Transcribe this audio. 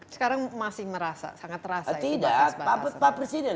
sekarang masih merasa sangat terasa itu batas batasan